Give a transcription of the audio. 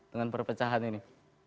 dengan perpecahan ini